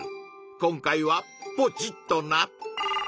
今回はポチッとな！